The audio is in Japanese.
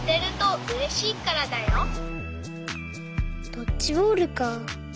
ドッジボールか。